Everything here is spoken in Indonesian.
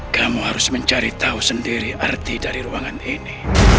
kamu harus mencari tahu sendiri arti dari ruangan ini